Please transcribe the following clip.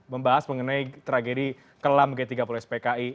membahas mengenai tragedi kelam g tiga puluh spki